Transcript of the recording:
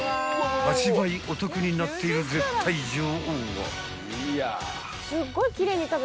［８倍お得になっている絶対女王は］